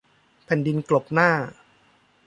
แผ่นดินกลบหน้า